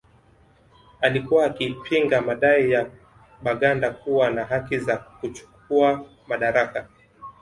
Alikuwa akipinga madai ya Baganda kuwa na haki za kuchukuwa madaraka